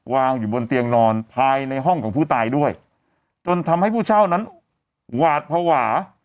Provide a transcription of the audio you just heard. วางอยู่บนเตียงนอนภายในห้องของผู้ตายด้วยจนทำให้ผู้เช่านั้นหวาดภาวะ